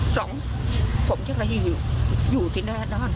สองผมจะไปอยู่ที่แน่นอน